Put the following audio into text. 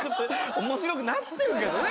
面白くなってるけどね